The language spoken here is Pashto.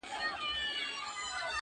ما درته ویل چي په اغیار اعتبار مه کوه٫